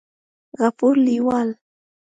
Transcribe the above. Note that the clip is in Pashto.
غفور لېوال